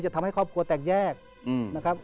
ทำให้ครอบครัวแตกแยกนะครับ